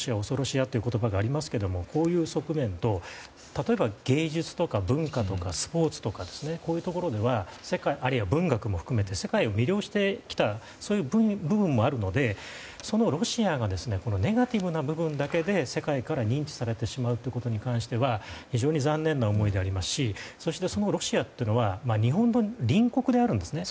あという言葉がありますがこういう側面と例えば芸術とか文化とかスポーツとか、あるいは文学も含めてこういうところには世界を魅了してきたそういう部分もあるのでそのロシアがネガティブな部分だけで世界から認知されてしまうことに関しては非常に残念な思いでありますしそして、そのロシアというのは日本の隣国であるんですね。